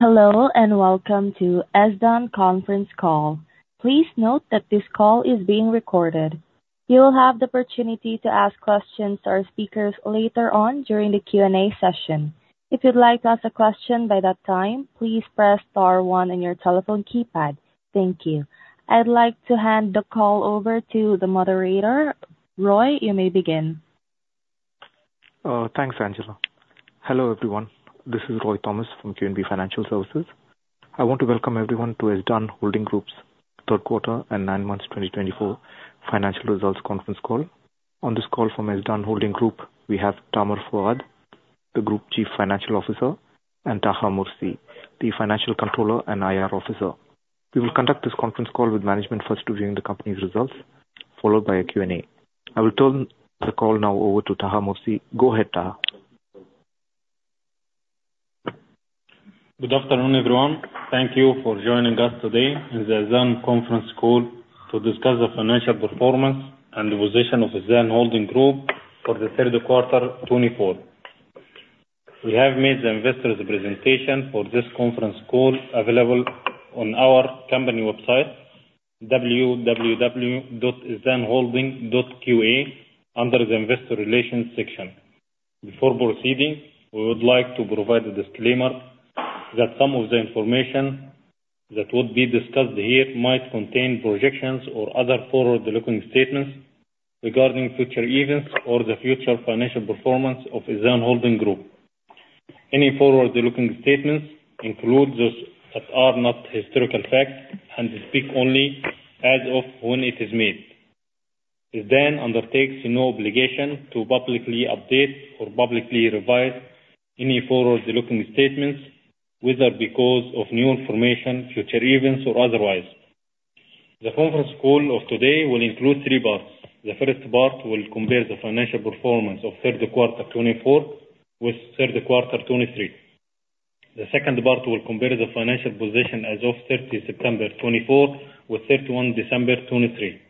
Hello, and welcome to Ezdan conference call. Please note that this call is being recorded. You will have the opportunity to ask questions to our speakers later on during the Q&A session. If you'd like to ask a question by that time, please press star one on your telephone keypad. Thank you. I'd like to hand the call over to the moderator. Roy, you may begin. Thanks, Angela. Hello, everyone. This is Roy Thomas from QNB Financial Services. I want to welcome everyone to Ezdan Holding Group's third quarter and nine months twenty twenty-four financial results conference call. On this call from Ezdan Holding Group, we have Thamer Fouad, the Group Chief Financial Officer, and Taha Morsi, the Financial Controller and IR Officer. We will conduct this conference call with management first reviewing the company's results, followed by a Q&A. I will turn the call now over to Taha Morsi. Go ahead, Taha. Good afternoon, everyone. Thank you for joining us today in the Ezdan conference call to discuss the financial performance and the position of Ezdan Holding Group for the third quarter twenty-four. We have made the investors presentation for this conference call available on our company website, www.ezdanholding.qa, under the Investor Relations section. Before proceeding, we would like to provide a disclaimer that some of the information that would be discussed here might contain projections or other forward-looking statements regarding future events or the future financial performance of Ezdan Holding Group. Any forward-looking statements include those that are not historical facts and speak only as of when it is made. Ezdan undertakes no obligation to publicly update or publicly revise any forward-looking statements, whether because of new information, future events, or otherwise. The conference call of today will include three parts. The first part will compare the financial performance of third quarter 2024 with third quarter 2023. The second part will compare the financial position as of 30 September 2024 with 31 December 2023.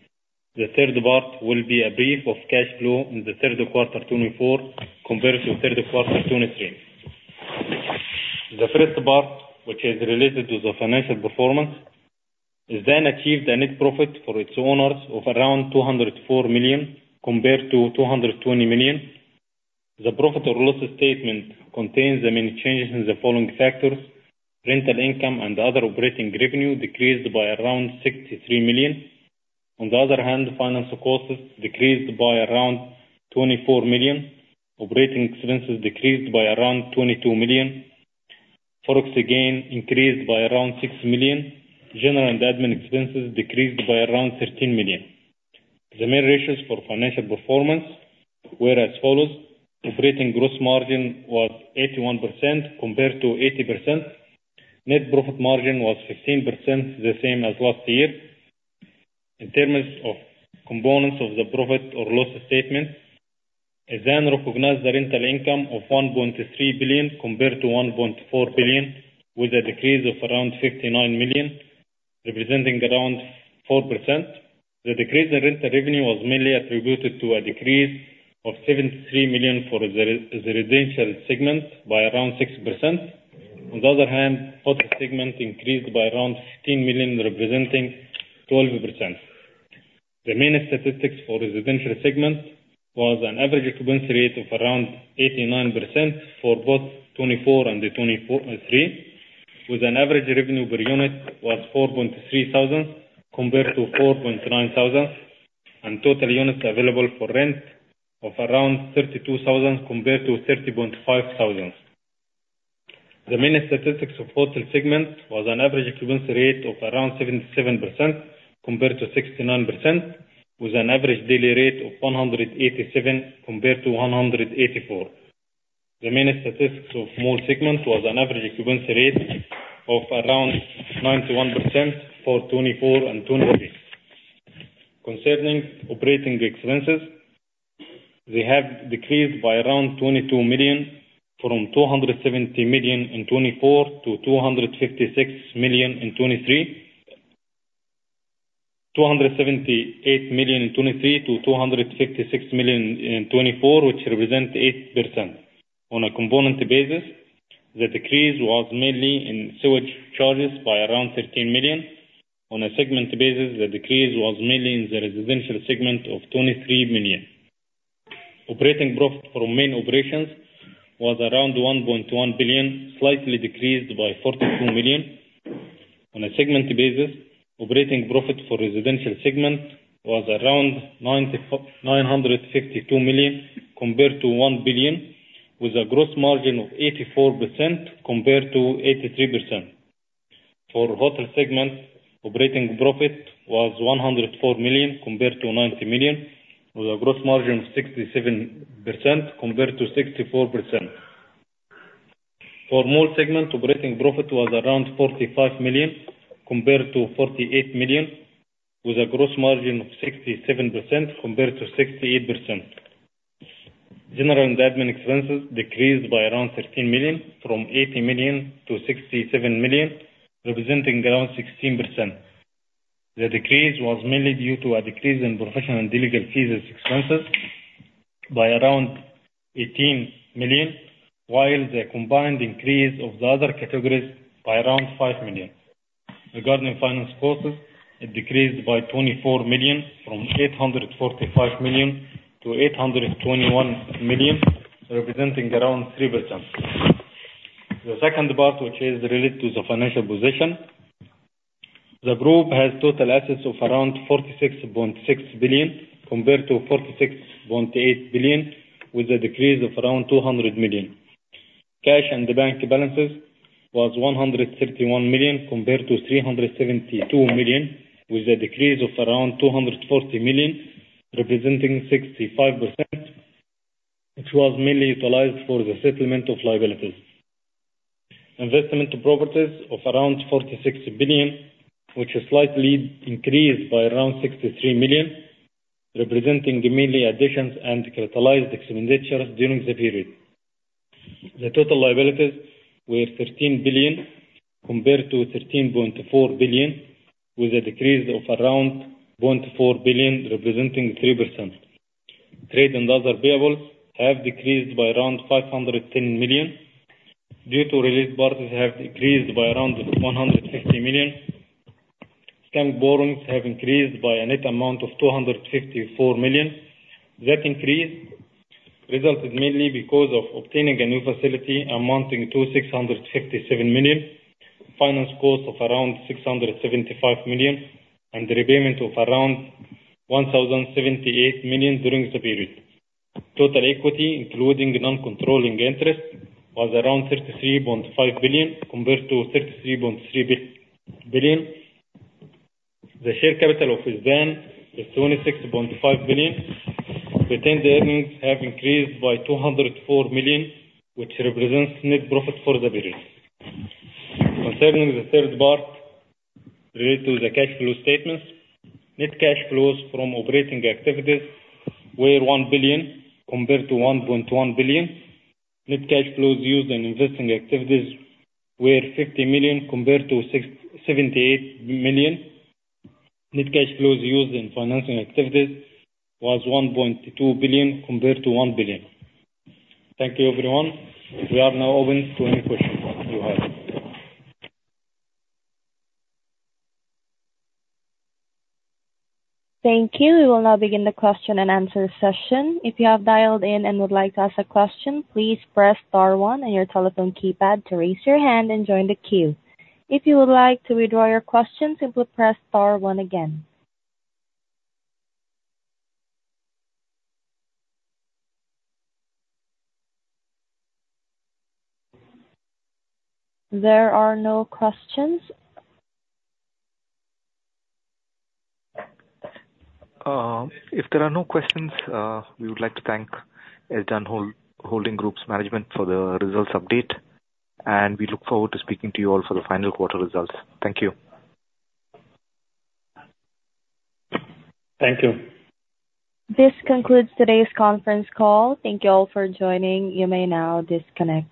The third part will be a brief of cash flow in the third quarter 2024 compared to third quarter 2023. The first part, which is related to the financial performance, Ezdan achieved a net profit for its owners of around 204 million, compared to 220 million. The profit or loss statement contains the many changes in the following factors: rental income and other operating revenue decreased by around 63 million. On the other hand, financial costs decreased by around 24 million. Operating expenses decreased by around 22 million. Forex gain increased by around 6 million. General and admin expenses decreased by around 13 million. The main ratios for financial performance were as follows: operating gross margin was 81% compared to 80%. Net profit margin was 16%, the same as last year. In terms of components of the profit or loss statement, Ezdan recognized the rental income of 1.3 billion compared to 1.4 billion, with a decrease of around 69 million, representing around 4%. The decrease in rental revenue was mainly attributed to a decrease of 73 million for the residential segment by around 6%. On the other hand, hotel segment increased by around 16 million, representing 12%. The main statistics for residential segment was an average occupancy rate of around 89% for both 2024 and 2023, with an average revenue per unit was 4.3 thousand compared to 4.9 thousand, and total units available for rent of around 32,000 compared to 30,500. The main statistics of hotel segment was an average occupancy rate of around 77% compared to 69%, with an average daily rate of 187 compared to 184. The main statistics of mall segment was an average occupancy rate of around 91% for 2024 and 2023. Concerning operating expenses, they have decreased by around 22 million from 270 million in 2024 to 256 million in 2023. 278 million in 2023 to 256 million in 2024, which represents 8%. On a component basis, the decrease was mainly in sewage charges by around 13 million. On a segment basis, the decrease was mainly in the residential segment of 23 million. Operating profit from main operations was around 1.1 billion, slightly decreased by 42 million. On a segment basis, operating profit for residential segment was around 952 million compared to 1 billion, with a gross margin of 84% compared to 83%. For hotel segment, operating profit was 104 million compared to 90 million, with a gross margin of 67% compared to 64%. For mall segment, operating profit was around 45 million compared to 48 million, with a gross margin of 67% compared to 68%. General and admin expenses decreased by around 13 million from 80 million to 67 million, representing around 16%. The decrease was mainly due to a decrease in professional and legal fees as expenses by around 18 million, while the combined increase of the other categories by around 5 million. Regarding finance costs, it decreased by 24 million, from 845 million to 821 million, representing around 3%. The second part, which is related to the financial position, the group has total assets of around 46.6 billion, compared to 46.8 billion, with a decrease of around 200 million. Cash and the bank balances was 131 million, compared to 372 million, with a decrease of around 240 million, representing 65%, which was mainly utilized for the settlement of liabilities. Investment properties of around 46 billion, which is slightly increased by around 63 million, representing the mainly additions and capitalized expenditures during the period. The total liabilities were 13 billion, compared to 13.4 billion, with a decrease of around 0.4 billion, representing 3%. Trade and other payables have decreased by around 510 million, due to related parties have increased by around 150 million. Bank borrowings have increased by a net amount of 264 million. That increase resulted mainly because of obtaining a new facility amounting to 667 million, finance cost of around 675 million, and the repayment of around 1,078 million during the period. Total equity, including the non-controlling interest, was around 33.5 billion, compared to 33.3 billion. The share capital of Ezdan is twenty-six point five billion. Retained earnings have increased by two hundred and four million, which represents net profit for the period. Concerning the third part, related to the cash flow statements, net cash flows from operating activities were one billion compared to one point one billion. Net cash flows used in investing activities were fifty million, compared to 678 million. Net cash flows used in financing activities was one point two billion compared to one billion. Thank you, everyone. We are now open to any questions you have. Thank you. We will now begin the question and answer session. If you have dialed in and would like to ask a question, please press star one on your telephone keypad to raise your hand and join the queue. If you would like to withdraw your question, simply press star one again. There are no questions. If there are no questions, we would like to thank Ezdan Holding Group's management for the results update, and we look forward to speaking to you all for the final quarter results. Thank you. Thank you. This concludes today's conference call. Thank you all for joining. You may now disconnect.